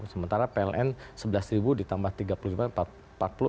sementara pln sebelas ribu ditambah tiga puluh lima ribu